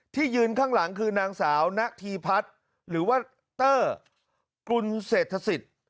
ยืนข้างหลังคือนางสาวณฑีพัฒน์หรือว่าเตอร์กุลเศรษฐศิษย์